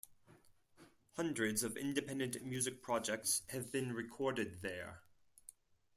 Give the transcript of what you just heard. Hundreds of independent music projects have been recorded there.